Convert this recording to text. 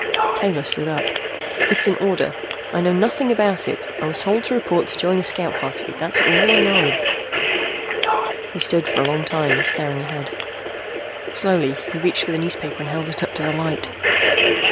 _" Taylor stood up. "It's an order. I know nothing about it. I was told to report to join a scout party. That's all I know." He stood for a long time, staring ahead. Slowly, he reached for the newspaper and held it up to the light.